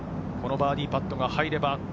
バーディーパットが入れば。